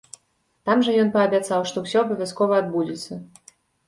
Там жа ён паабяцаў, што ўсё абавязкова адбудзецца.